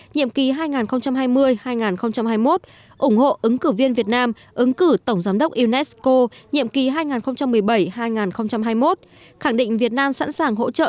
nhiệm kỳ hai nghìn hai mươi hai nghìn hai mươi một ủng hộ ứng cử viên việt nam ứng cử tổng giám đốc unesco nhiệm kỳ hai nghìn một mươi bảy hai nghìn hai mươi một khẳng định việt nam sẵn sàng hỗ trợ